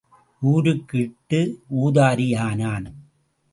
ஊருக்கு இட்டு ஊதாரி ஆனான்.